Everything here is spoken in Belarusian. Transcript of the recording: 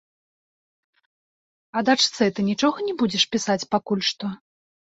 А дачцэ ты нічога не будзеш пісаць пакуль што?